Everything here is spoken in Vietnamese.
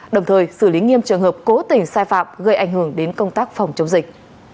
đồng thời xử lý nghiêm trường hợp cố tình sai phạm gây ảnh hưởng đến công tác phòng chống dịch